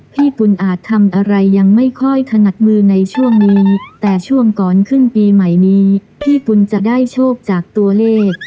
กุลอาจทำอะไรยังไม่ค่อยถนัดมือในช่วงนี้แต่ช่วงก่อนขึ้นปีใหม่นี้พี่กุลจะได้โชคจากตัวเลข